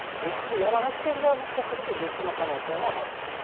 一部、山梨県ではもしかすると、雪の可能性もあると。